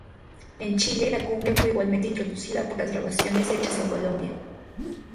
En Chile, la cumbia fue igualmente introducida por las grabaciones hechas en Colombia.